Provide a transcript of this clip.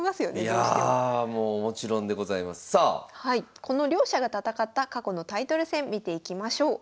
この両者が戦った過去のタイトル戦見ていきましょう。